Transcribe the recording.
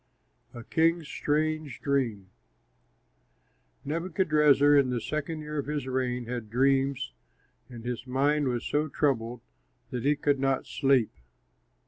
A KING'S STRANGE DREAM Nebuchadrezzar in the second year of his reign had dreams, and his mind was so troubled that he could not sleep.